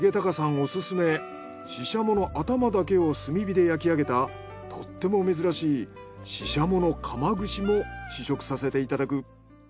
オススメししゃもの頭だけを炭火で焼き上げたとっても珍しいししゃものカマ串も試食させていただく。